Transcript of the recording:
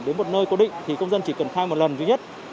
đến một nơi cố định thì công dân chỉ cần khai một lần duy nhất